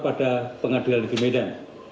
pengadilan negeri medan